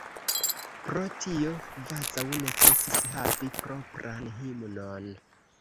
Pro tio kvazaŭ necesis havi propran himnon.